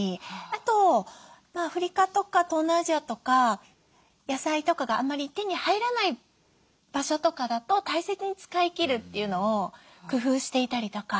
あとアフリカとか東南アジアとか野菜とかがあんまり手に入らない場所とかだと大切に使い切るっていうのを工夫していたりとか。